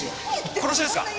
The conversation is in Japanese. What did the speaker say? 殺しですか？